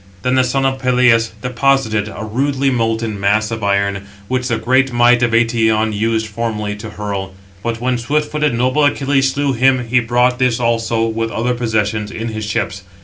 Then the son of Peleus deposited a rudely molten mass of iron, which the great might of Eëtion used formerly to hurl. But when swift footed, noble Achilles slew him, he brought this also, with other possessions, in his ships.